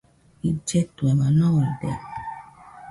Illetuemo noide.